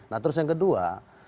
nah terus yang kedua